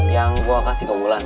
yang gue kasih ke bulan